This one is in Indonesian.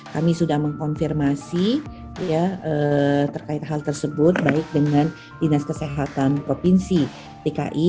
kami sudah mengkonfirmasi terkait hal tersebut baik dengan dinas kesehatan provinsi dki